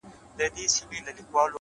ما ناولونه . ما كيسې .ما فلسفې لوستي دي.